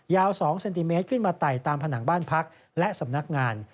ยาว๒เซนติเมตรขึ้นมาไต่ตามผนังบ้านพักและสำนักงาน